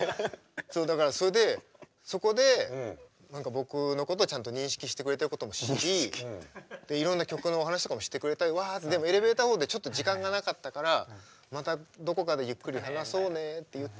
そうだからそれでそこで僕のことをちゃんと認識してくれてることも知りいろんな曲のお話とかもしてくれてでもエレベーターホールでちょっと時間がなかったからまたどこかでゆっくり話そうねって言ってそれ以来。